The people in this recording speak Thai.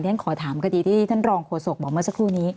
ฉันขอถามคดีที่ท่านรองโฆษกบอกเมื่อสักครู่นี้